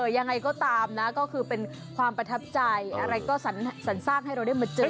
ยังไงก็ตามนะก็คือเป็นความประทับใจอะไรก็สรรสร้างให้เราได้มาเจอ